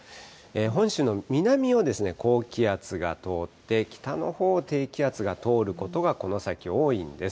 本州の南を高気圧が通って、北のほうを低気圧が通ることがこの先多いんです。